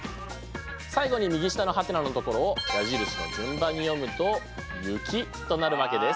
最後に右下のはてなのところを矢印の順番に読むと「ゆき」となるわけです。